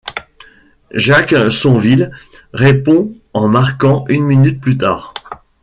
Jacksonville répond en marquant une minute plus tard.